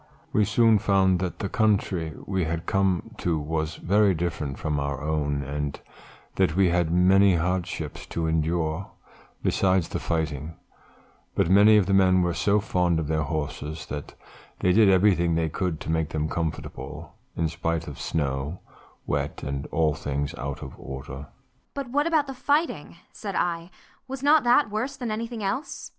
"We soon found that the country we had come to was very different from our own and that we had many hardships to endure besides the fighting; but many of the men were so fond of their horses that they did everything they could to make them comfortable in spite of snow, wet, and all things out of order." "But what about the fighting?" said I, "was not that worse than anything else?"